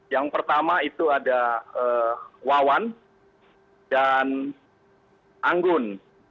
yang pertama itu ada wawan dan anggun